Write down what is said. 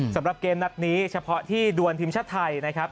สำหรับเกมนัดนี้เฉพาะที่ดวนทีมชาติไทยนะครับ